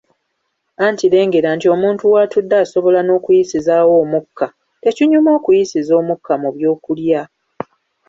"Anti lengera nti omuntu w’atudde asobola n’okuyisizaawo omukka, tekinyuma okuyisiza omukka mu byokulya."